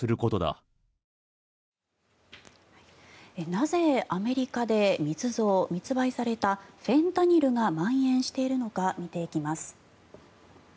なぜアメリカで密造・密売されたフェンタニルがまん延しているのか見ていきます。